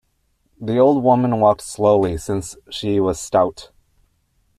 The old woman walked slowly, since she was stout.